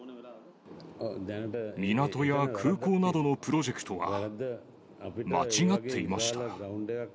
港や空港などのプロジェクトは、間違っていました。